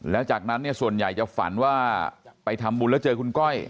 แล้วจากนั้นเนี่ยส่วนใหญ่จะฝันว่าไปทำบุญแล้วเจอคุณก้อย